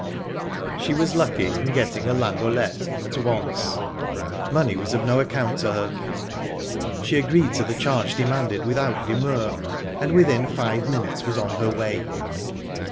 She was lucky in getting a landaulette at once. Money was of no account to her, she agreed to the charge demanded without demur, and within five minutes was on her way.